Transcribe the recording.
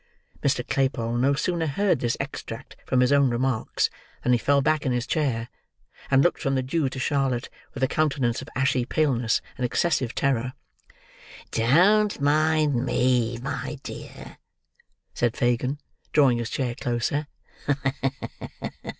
Mr. Claypole no sooner heard this extract from his own remarks than he fell back in his chair, and looked from the Jew to Charlotte with a countenance of ashy paleness and excessive terror. "Don't mind me, my dear," said Fagin, drawing his chair closer.